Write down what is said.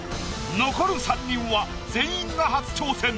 残る三人は全員が初挑戦。